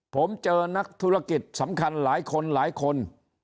ผมเจอนักธุรกิจสำคัญหลายคนหลายคน